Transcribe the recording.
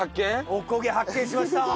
おこげ発見しました。